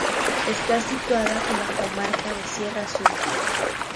Está situada en la comarca de Sierra Sur.